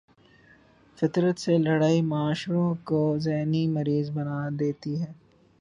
فطرت سے لڑائی معاشروں کو ذہنی مریض بنا دیتی ہے۔